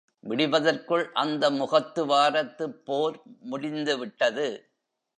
விடிவதற்குள் அந்த முகத்துவாரத்துப் போர் முடிந்துவிட்டது.